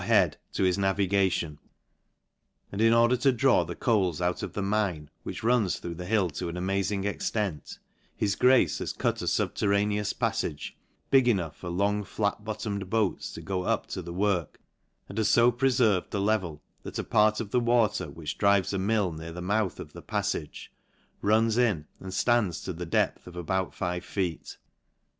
head, to his navigation; and in order to draw the coals out of the mine, which runs through the hill to an amazing extent, his grace has cut a fubter raneous paflage, big enough for long flat bottomed boats to go up to the work, and has fo preferved the level, that a part of the water, which drives a mill near the mouth of the pafTage, runs in, and flands to the depth of about five feet.